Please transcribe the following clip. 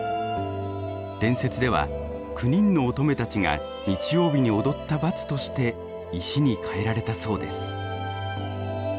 伝説では９人の乙女たちが日曜日に踊った罰として石に変えられたそうです。